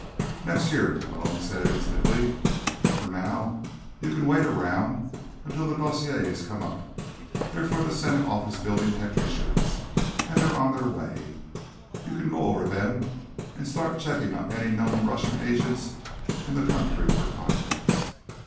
"Next year," Malone said instantly. "For now, you can wait around until the dossiers come up—they're for the Senate Office Building technicians, and they're on the way. You can go over them, and start checking on any known Russian agents in the country for contacts.